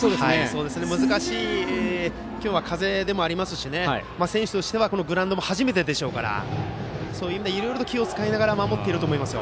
今日は難しい風でもありますし選手としては、このグラウンドも初めてでしょうからそういう意味ではいろいろ気を使いながら守っていると思います。